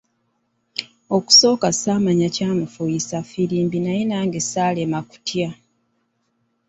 Okusooka saamanya ky'amufuuyisa ffirimbi naye nange saalema kutya.